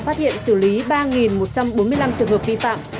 phát hiện xử lý ba một trăm bốn mươi năm trường hợp vi phạm